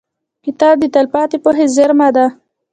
• کتاب د تلپاتې پوهې زېرمه ده.